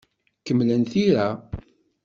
Kemmlem tira.